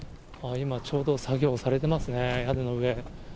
今ちょうど、作業されてますね、屋根の上。